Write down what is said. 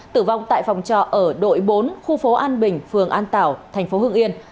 tử vong tại phòng trò ở đội bốn khu phố an bình phường an tảo thành phố hương yên